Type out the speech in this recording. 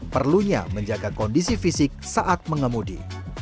perlunya menjaga kondisi fisik saat mengemudi